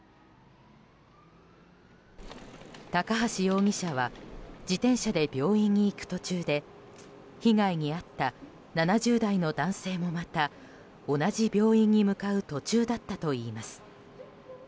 高橋容疑者は自転車で病院に行く途中で被害に遭った７０代の男性もまた同じ病院に向かう途中だったといいます。